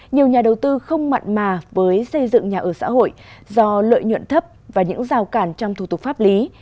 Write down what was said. nhiều nhà đầu tư không mặn mà với xây dựng nhà ở xã hội do lợi nhuận thấp và những rào cản trong thủ tục pháp lý